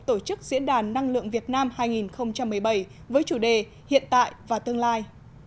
tổ chức diễn đàn năng lượng việt nam hai nghìn một mươi bảy với chủ đề hiện tại và tương lai